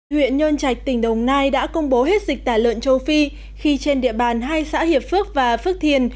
huyện nhân trạch tỉnh đồng nai đã công bố hết dịch tả lợn châu phi khi trên địa bàn hai xã hiệp phước và phước thiền